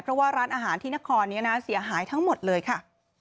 เพราะว่าร้านอาหารที่นครนี้นะเสียหายทั้งหมดเลยค่ะ